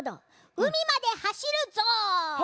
うみまではしるぞ！